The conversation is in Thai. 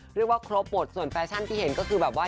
เรียกว่าครบบทส่วนแฟชั่นที่เห็นก็คือแบบว่า